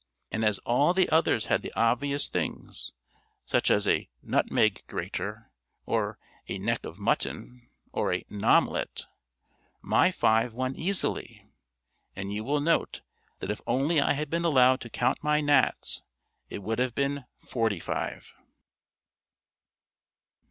And as all the others had the obvious things such as a nutmeg grater or a neck of mutton, or a nomlette my five won easily. And you will note that if only I had been allowed to count my gnats, it would have been forty five.